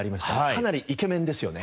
かなりイケメンですよね。